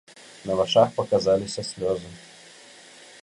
На вачах паказаліся слёзы.